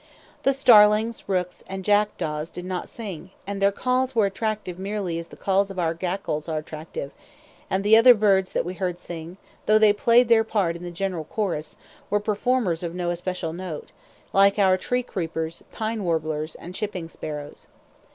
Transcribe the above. The starlings, rooks, and jackdaws did not sing, and their calls were attractive merely as the calls of our grackles are attractive; and the other birds that we heard sing, though they played their part in the general chorus, were performers of no especial note, like our tree creepers, pine warblers, and chipping sparrows.